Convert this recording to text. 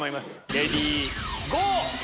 レディーゴー！